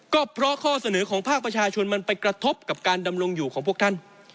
ก็เพราะข้อเสนอของภาคประชาชนมันไปกระทบกับการดำรงอยู่ของพวกท่าน